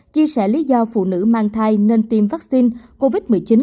chia sẻ lý do phụ nữ mang thai nên tiêm vaccine covid một mươi chín